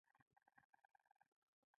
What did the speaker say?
باغ شین دی